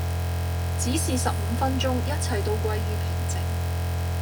只是十五分鐘一切都歸於平靜